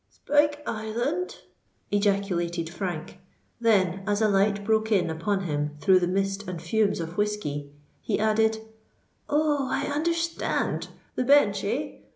"Spike Island?" ejaculated Frank: then, as a light broke in upon him through the mist and fumes of whiskey, he added, "Oh! I understand—the Bench, eh?